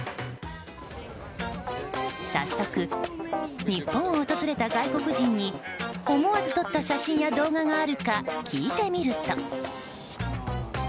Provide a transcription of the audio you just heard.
早速、日本を訪れた外国人に思わず撮った写真や動画があるか聞いてみると。